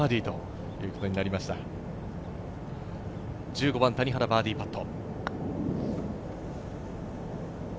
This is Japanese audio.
１５番、谷原、バーディーパット。